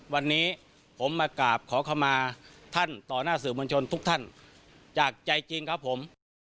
วันนี้ผมมากราบขอขมาท่านต่อหน้าสื่อมวลชนทุกท่านจากใจจริงครับผม